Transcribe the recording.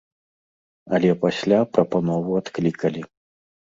Але пасля прапанову адклікалі.